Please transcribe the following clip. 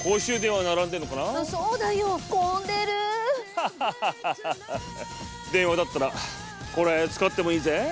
ハハハハ電話だったらこれ使ってもいいぜ。